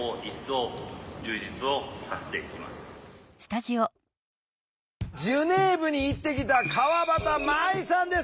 ジュネーブに行ってきた川端舞さんです。